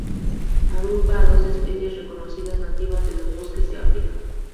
Agrupa a dos especies reconocidas, nativas de los bosques de África.